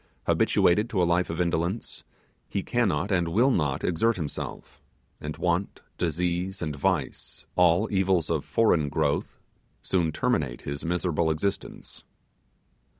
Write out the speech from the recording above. Habituated to a life of indolence, he cannot and will not exert himself; and want, disease, and vice, all evils of foreign growth, soon terminate his miserable existence.